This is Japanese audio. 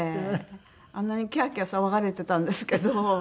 あんなにキャーキャー騒がれてたんですけど。